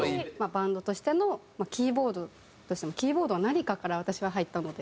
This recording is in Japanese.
バンドとしてのキーボードとしても「キーボードは何か？」から私は入ったので。